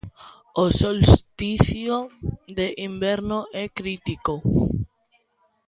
O solsticio de inverno é crítico.